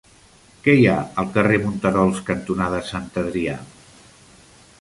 Què hi ha al carrer Monterols cantonada Sant Adrià?